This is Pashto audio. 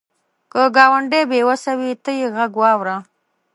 که ګاونډی بې وسه وي، ته یې غږ واوره